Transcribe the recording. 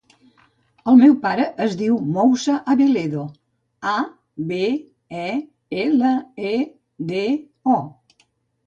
El meu pare es diu Moussa Abeledo: a, be, e, ela, e, de, o.